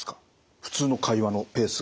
普通の会話のペースが。